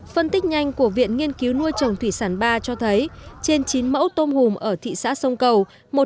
phân tích nhanh của viện nghiên cứu nuôi trồng thủy sản ba cho thấy trên chín mẫu tôm hùm ở thị xã sông cầu